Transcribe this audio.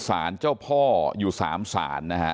ฝ่ายกรเหตุ๗๖ฝ่ายมรณภาพกันแล้ว